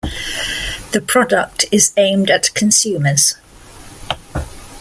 The product is aimed at consumers.